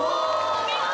お見事！